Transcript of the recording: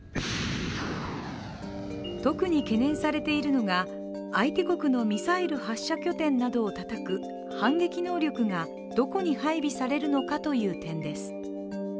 特に懸念されているのが相手国のミサイル発射拠点などをたたく反撃能力がどこに配備されるのかという点です。